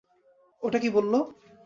ওটা কী বললো?